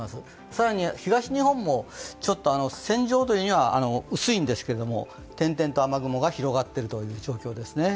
更に東日本も、ちょっと線状というには薄いんですけれども、点々と雨雲が広がっているという状況です。